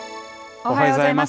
おはようございます。